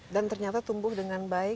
dan ternyata tumbuh dengan baik